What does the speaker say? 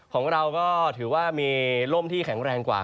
ของเราก็ถือว่ามีร่มที่แข็งแรงกว่า